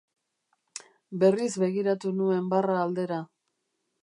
Berriz begiratu nuen barra aldera.